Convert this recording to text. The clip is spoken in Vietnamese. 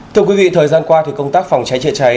thưa quý vị thời gian qua thì công tác phòng cháy chạy cháy